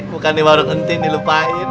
bukan di warung entin dilupain